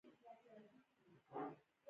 افغانستان د نفت لپاره مشهور دی.